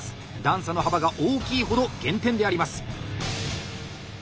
段差の幅が大きいほど減点であります。